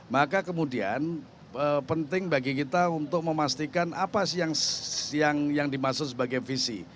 maka kemudian penting bagi kita untuk memastikan apa sih yang dimaksud sebagai visi